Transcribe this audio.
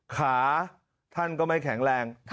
ขาท่านก็ไม่แข็งแรง